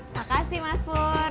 makasih mas pur